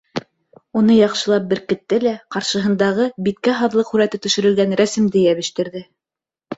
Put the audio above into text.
Уны яҡшылап беркетте лә ҡаршыһындағы биткә һаҙлыҡ һүрәте төшөрөлгән рәсемде йәбештерҙе.